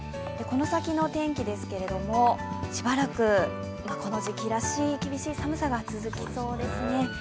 この先の天気ですけれども、しばらくこの時期らしい厳しい寒さが続きそうですね。